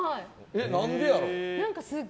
何でやろ。